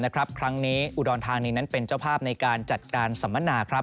ครั้งนี้อุดรธานีนั้นเป็นเจ้าภาพในการจัดการสัมมนาครับ